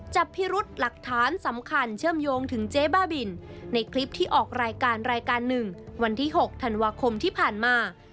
จับพิรุษหลักฐานสำคัญเชื่อมโยงถึงเจ๊บ้าบินในคลิปที่ออกรายการรายการหนึ่งวันที่๖ธันวาคมที่ผ่านมา